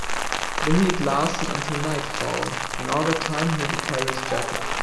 The heat lasted until nightfall, and all that time he had to carry his jacket.